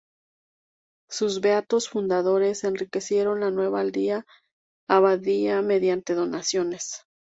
Sus beatos fundadores enriquecieron la nueva abadía mediante donaciones.